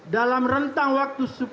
dalam rentang waktu